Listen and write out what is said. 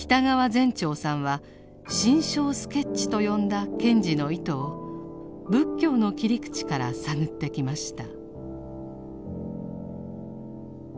前肇さんは「心象スケッチ」と呼んだ賢治の意図を仏教の切り口から探ってきました。